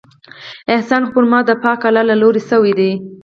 احسان خو پر ما د پاک الله له لورې شوى دى.